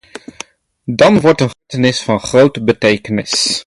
Dat wordt een gebeurtenis van grote betekenis.